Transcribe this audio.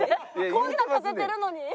こんなん建ててるのに？